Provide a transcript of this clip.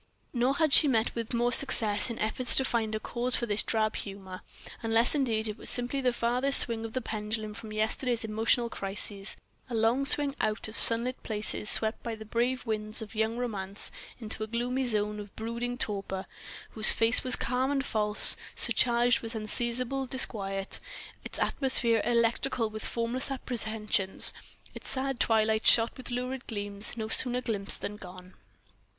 Nor had she met with more success in efforts to find a cause for this drab humour; unless, indeed, it were simply the farthest swing of the pendulum from yesterday's emotional crises, a long swing out of sunlit spaces swept by the brave winds of young romance into a gloomy zone of brooding torpor, whose calm was false, surcharged with unseizable disquiet, its atmosphere electrical with formless apprehensions, its sad twilight shot with lurid gleams no sooner glimpsed than gone.